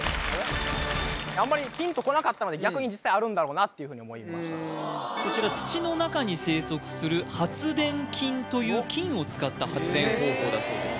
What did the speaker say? あんまりピンとこなかったので逆に実際あるんだろうなってこちら土の中に生息する発電菌という菌を使った発電方法だそうです